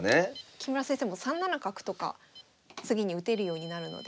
木村先生も３七角とか次に打てるようになるので。